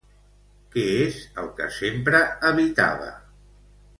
Què es el que sempre evitava?